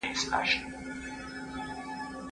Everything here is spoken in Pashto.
اسلام د عدالت او برابري دین دی.